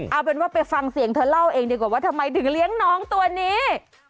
เอาเป็นว่าไปฟังเสียงเธอเล่าเองดีกว่าว่าทำไมถึงเลี้ยงน้องตัวนี้